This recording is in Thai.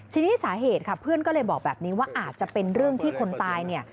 ทีนี้สาเหตุค่ะเพื่อนก็เลยบอกแบบนี้ว่าอาจจะเป็นเรื่องที่คนตายเนี่ย